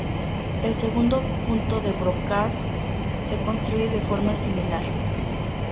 El segundo punto de Brocard se construye de forma similar.